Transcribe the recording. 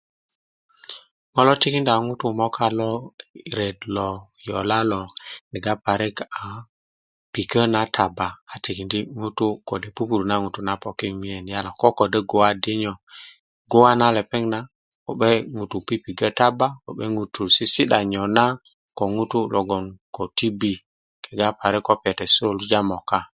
ŋo' lo tikinda ŋutu' yi moka lo ret lo yola lo kega parik a pikö na taba a tikindi' mugun kode' purpur na ŋutu na a poki i miyen yala ko dödö guwa dinyo guwa na lepeŋ na ko'be ŋutu pipigö taba ko'ben ŋutu' sisi'da nyona ko ŋutu logon ko tibi kega parik ko ŋutu' nyu susuluja moka